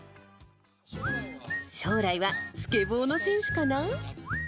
将来はスケボーの選手かな？